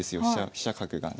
飛車角がね。